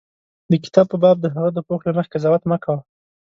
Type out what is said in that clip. د کتاب په باب د هغه د پوښ له مخې قضاوت مه کوه.